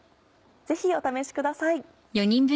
ぜひお試しください。